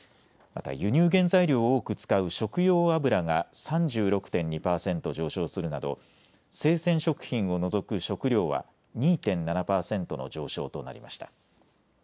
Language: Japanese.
また輸入原材料を多く使う食用油が３６．２％上昇するなど生鮮食品を除く食料は２．７％の上昇となりました。